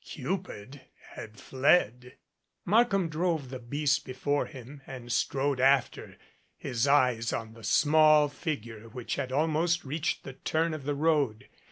Cupid had fled ! Markham drove the beast before him and strode after, his eyes on the small figure which had almost reached the turn in the road.